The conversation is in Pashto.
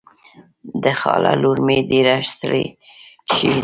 د خاله لور مې ډېره ستړې شوې ده.